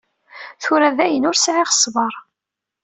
Tura dayen, ur sɛiɣ ṣṣber.